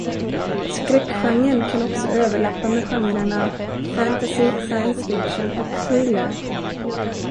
Skräckgenren kan också överlappa med genrerna fantasy, science fiction och thriller.